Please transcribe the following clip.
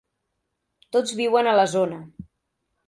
Tots viuen a la zona.